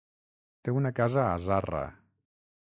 Té una casa a Zarra.